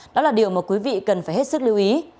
đó là điều mà quý vị cần phải hết sức lưu ý